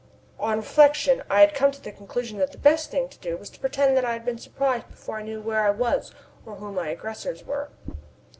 On reflection I had come to the conclusion that the best thing to do was to pretend that I had been surprised before I knew where I was or who my aggressors were.